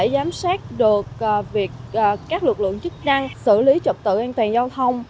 giám sát được việc các lực lượng chức năng xử lý trật tự an toàn giao thông